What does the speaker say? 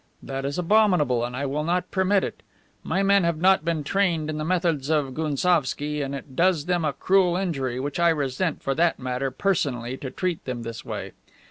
That is abominable, and I will not permit it. My men have not been trained in the methods of Gounsovski, and it does them a cruel injury, which I resent, for that matter, personally, to treat them this way.